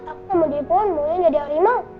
aku mau jadi pohon maunya jadi harimau